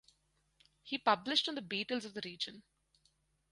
He published on the beetles of the region.